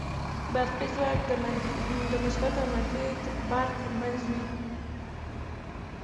برقي ځواک د مثبت او منفي بار تر منځ وي.